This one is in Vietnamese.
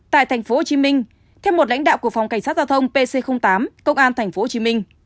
tại tp hcm theo một lãnh đạo của phòng cảnh sát giao thông pc tám công an tp hcm